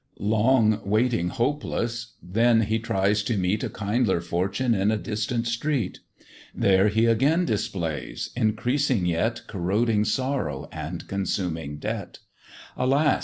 Long waiting hopeless, then he tries to meet A kinder fortune in a distant street; There he again displays, increasing yet Corroding sorrow and consuming debt: Alas!